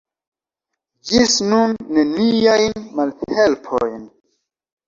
Ĝis nun neniajn malhelpojn.